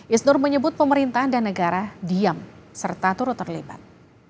isnur menyebut pemerintahan dan negara diam serta turut terlibat